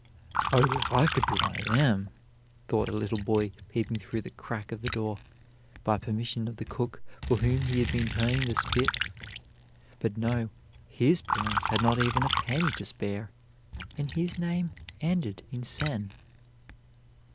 "Oh, if I could be one of them!" thought a little boy peeping through the crack of the door, by permission of the cook for whom he had been turning the spit. But no, his parents had not even a penny to spare, and his name ended in "sen."